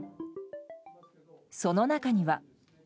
その中には。